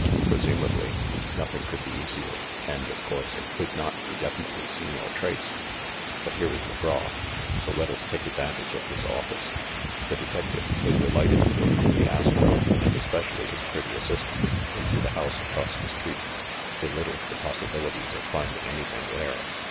"Presumably. Nothing could be easier, and, of course, it could not be definitely seen or traced. But here is McGraw ; so let us take advantage of his office." The detective, though delighted to accompany Astro, and especially his pretty assistant, into the house across the street, belittled the possibilities of finding anything there.